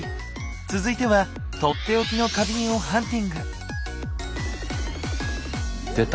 続いては取って置きの花瓶をハンティング。